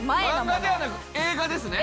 漫画ではなく映画ですね？